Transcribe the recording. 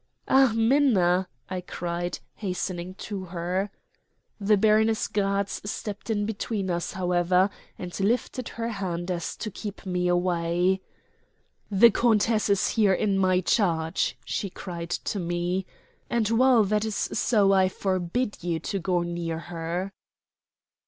"Ah, Minna!" I cried, hastening to her. The Baroness Gratz stepped in between us, however, and lifted her hand as if to keep me away. "The countess is here in my charge," she cried to me; "and while that is so I forbid you to go near her."